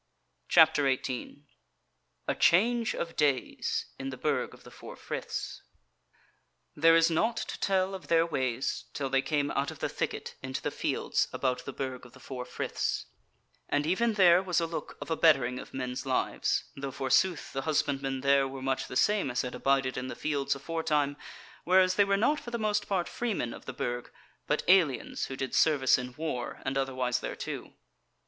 CHAPTER 18 A Change of Days in the Burg of the Four Friths There is naught to tell of their ways till they came out of the thicket into the fields about the Burg of the Four Friths; and even there was a look of a bettering of men's lives; though forsooth the husbandmen there were much the same as had abided in the fields aforetime, whereas they were not for the most part freemen of the Burg, but aliens who did service in war and otherwise thereto.